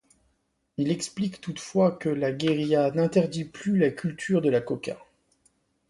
Il explique toutefois que la guérilla n'interdit plus la culture de la coca.